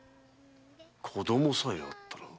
子供さえあったら。